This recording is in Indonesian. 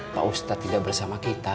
opa ustad tidak bersama kita